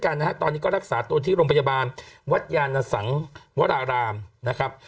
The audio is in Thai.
ด้วยเช่นกันนะฮะตอนนี้ก็รักษาโตทีลโรงพยาบาลวัฒญานสังค์วรรามนะครับ